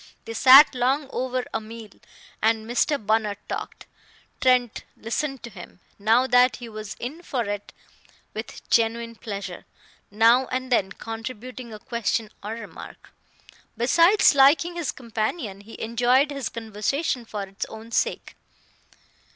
They sat long over a meal, and Mr. Bunner talked. Trent listened to him, now that he was in for it, with genuine pleasure, now and then contributing a question or remark. Besides liking his companion, he enjoyed his conversation for its own sake.